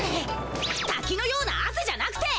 たきのようなあせじゃなくて。